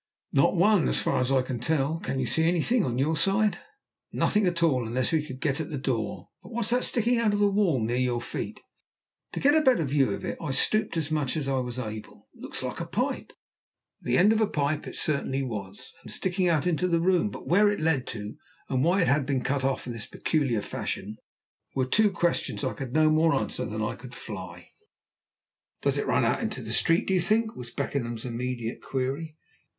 "Not one, as far as I can tell. Can you see anything on your side?" "Nothing at all, unless we could get at the door. But what's that sticking out of the wall near your feet?" To get a better view of it I stooped as much as I was able. "It looks like a pipe." The end of a pipe it certainly was, and sticking out into the room, but where it led to, and why it had been cut off in this peculiar fashion, were two questions I could no more answer than I could fly. "Does it run out into the street, do you think?" was Beckenham's immediate query.